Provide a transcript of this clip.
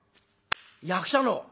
役者の？